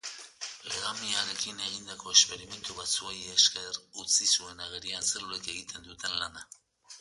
Legamiarekin egindako esperimentu batzuei esker utzi zuen agerian zelulek egiten duten lana.